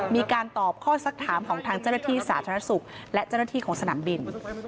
มีการตอบข้อสักถามของทางเจ้าหน้าที่สาธารณสุขและเจ้าหน้าที่ของสนามบิน